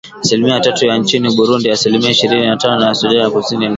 asilimia tatu nchini Burundi asilimia ishirni na tano Sudan Kusini na